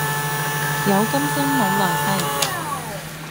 有今生冇來世